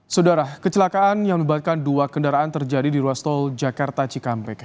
saudara kecelakaan yang melibatkan dua kendaraan terjadi di ruas tol jakarta cikampek